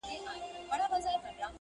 ځوانيمرگي اوړه څنگه اخښل كېږي.!